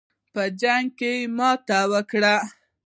په جنګ کې ماته وکړه.